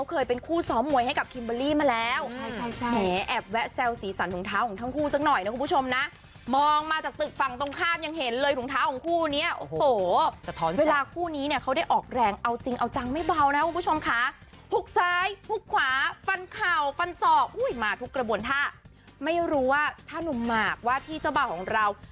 ครึ่งของเราก็รินหอยไปแล้ว